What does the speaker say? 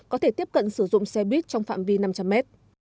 có thể tiếp cận sử dụng xe buýt trong phạm vi năm trăm linh mét